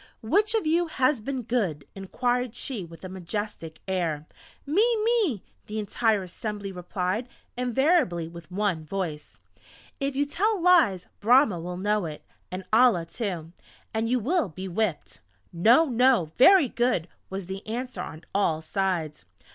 "Which of you has been good?" inquired she with a majestic air. "Me ... Me ..." the entire assembly replied invariably with one voice! "If you tell lies Brahma will know it, and Allah too, and you will be whipped!" "No! No! Very good!" was the answer on all sides.